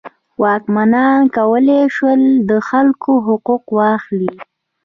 واکمنان کولی شول د خلکو حقوق واخلي.